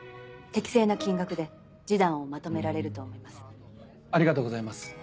適正な金額で示談をまとめられると思いまありがとうございます